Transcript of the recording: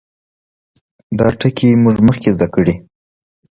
دا ټګي موږ مخکې زده کړې.